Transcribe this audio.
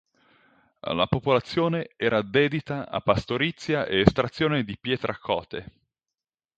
La popolazione era dedita a pastorizia e estrazione di pietra cote.